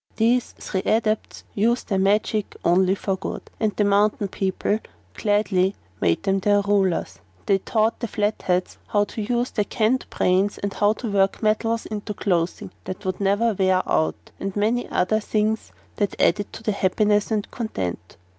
These three Adepts used their magic only for good, and the mountain people gladly made them their rulers. They taught the Flatheads how to use their canned brains and how to work metals into clothing that would never wear out, and many other things that added to their happiness and content.